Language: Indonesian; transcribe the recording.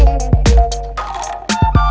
kau mau kemana